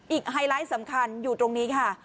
ไฮไลท์สำคัญอยู่ตรงนี้ค่ะ